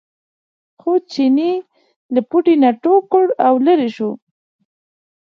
خو چیني له پوټي نه ټوپ کړ او لرې شو.